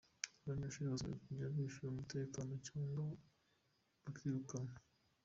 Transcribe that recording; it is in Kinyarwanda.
Abanyeshuri basabwe kujya bishyura umutekano cyangwa bakirukanwa